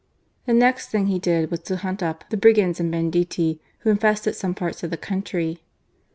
The next thing he did was to hunt up the brigands and banditti who infested some parts of the country.